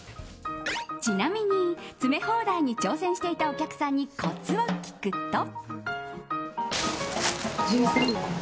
ちなみに、詰め放題に挑戦していたお客さんにコツを聞くと。